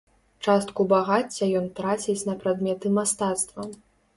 Частку багацця ён траціць на прадметы мастацтва.